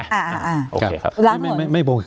อ่าอ่าล้างถนน